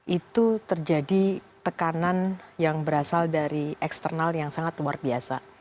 itu terjadi tekanan yang berasal dari eksternal yang sangat luar biasa